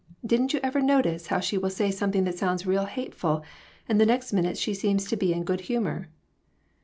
Didn't you ever notice how she will say something that sounds real hateful, and the next minute she seems to be in good humor?